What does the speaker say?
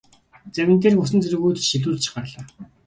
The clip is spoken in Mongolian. Завин дээрх усан цэргүүд ч сэлүүрдэж гарлаа.